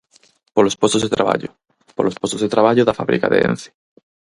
Polos postos de traballo; polos postos de traballo da fábrica de Ence.